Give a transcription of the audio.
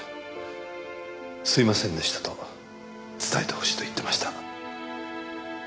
すいませんでしたと伝えてほしいと言ってました。